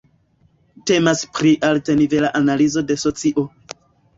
Temas pri altnivela analizo de socio.